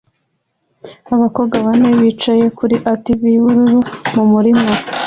Abakobwa bane bicaye kuri ATV yubururu mu murima